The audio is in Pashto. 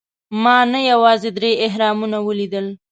ما نه یوازې درې اهرامونه ولیدل.